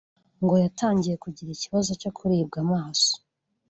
ngo yatangiye kugira ikibazo cyo kuribwa amaso